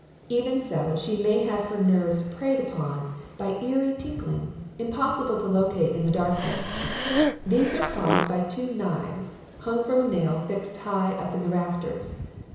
Even so, she may have her nerves preyed upon by eerie tinklings, impossible to locate in the darkness; these are caused by two knives, hung from a nail fixed high up in the rafters.